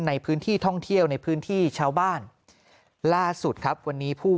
ในพื้นที่ท่องเที่ยวในพื้นที่ชาวบ้านล่าสุดครับวันนี้ผู้